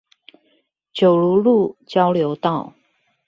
九如路交流道